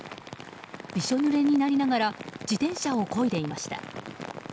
びしょぬれになりながら自転車をこいでいました。